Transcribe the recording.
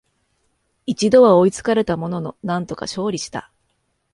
一度は追いつかれたものの、なんとか勝利した